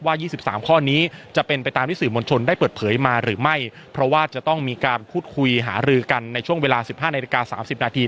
๒๓ข้อนี้จะเป็นไปตามที่สื่อมวลชนได้เปิดเผยมาหรือไม่เพราะว่าจะต้องมีการพูดคุยหารือกันในช่วงเวลา๑๕นาฬิกา๓๐นาที